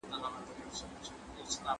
کافین د درملو اغېزه لوړوي.